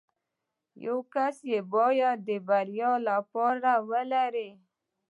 يو کس يې بايد د بريا لپاره ولري.